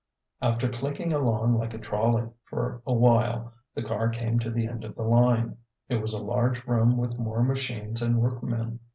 After clicking along like a trolley for awhile, the car came to the end of the line. It was a large room with more machines and workmen.